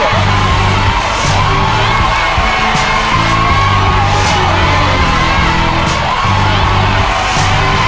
เวลาเดินไปเรื่อยแล้วนะฮะในตอนนี้